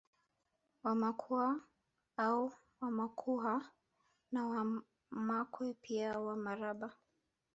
Wamakua au Wamakhuwa na Wamakwe pia Wamaraba